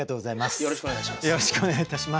よろしくお願いします。